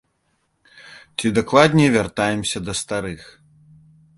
Ці, дакладней, вяртаемся да старых.